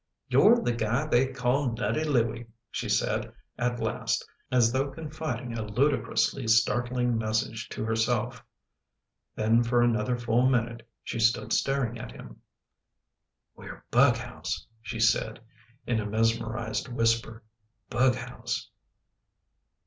" You're the guy they call Nutty Louie," she said at last, as though confiding a ludicrously startling message to herself. Then for another full minute she stood staring at him. " We're bughouse," she said in a mesmerised whisper. " Bughouse."